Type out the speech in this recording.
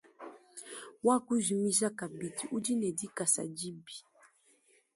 Wakujimija kabidi udi ne dikasa dibi.